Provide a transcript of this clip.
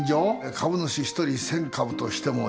株主１人１，０００株としても２５０人分。